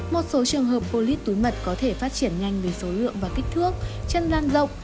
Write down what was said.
một số trường hợp polit túi mật có thể phát triển nhanh về số lượng và kích thước chân lan rộng